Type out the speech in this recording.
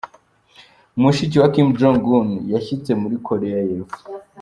Mushiki wa Kim Jong-un yashitse muri Korea y'epfo.